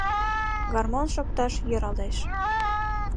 Гармон шокташ йӧралеш.